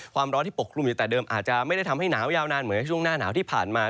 ความร้อนที่ปกคลุมอยู่แต่เดิมอาจจะไม่ได้ทำให้หนาวยาวนานเหมือนช่วงหน้าหนาวที่ผ่านมา